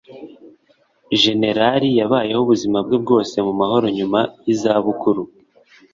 Jenerali yabayeho ubuzima bwe bwose mu mahoro nyuma yizabukuru